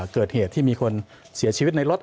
เกิดเหตุที่มีคนเสียชีวิตในรถ